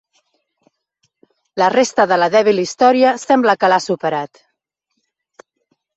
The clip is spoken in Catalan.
La resta de la dèbil història sembla que l'ha superat.